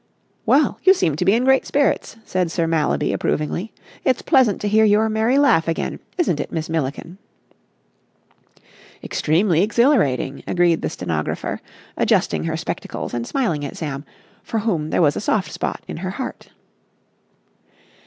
"Well, you seem to be in great spirits," said Sir Mallaby approvingly. "It's pleasant to hear your merry laugh again. Isn't it, Miss Milliken?" "Extremely exhilarating," agreed the stenographer, adjusting her spectacles and smiling at Sam, for whom there was a soft spot in her heart.